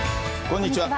こんにちは。